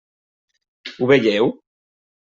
Ho veieu?